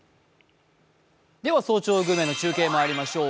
では、「早朝グルメ」の中継まいりましょう。